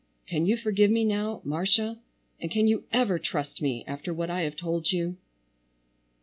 Can you forgive me now, Marcia, and can you ever trust me after what I have told you?"